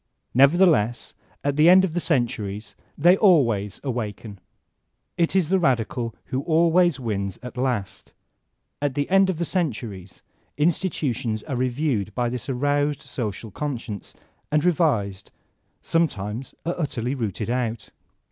Nevertheless, at the end of the centuries they always awaken. It is the radical who always wins at last At the end of the centuries institutions are reviewed by this aroused social conscience, are revised, sometimes are utterly rooted out.